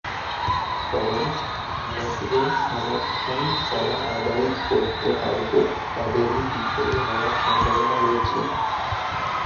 কারণ, আদিবাসীদের সমর্থন যাঁরা আদায় করতে পারবে, তাঁদেরই বিজয়ী হওয়ার সম্ভাবনা রয়েছে।